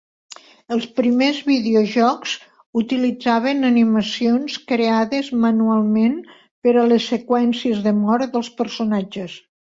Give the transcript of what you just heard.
Els primers videojocs utilitzaven animacions creades manualment per a les seqüències de mort dels personatges.